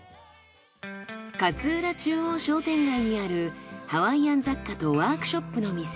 勝浦中央商店街にあるハワイアン雑貨とワークショップの店